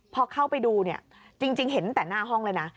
พอเข้าไปดูเนี่ยจริงเห็นแต่หน้าห้องเลยนะ